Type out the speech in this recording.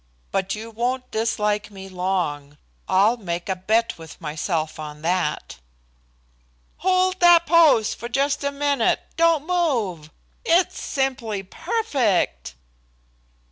But you won't dislike me long. I'll make a bet with myself on that." "Hold that pose just a minute. Don't move. It's simply perfect."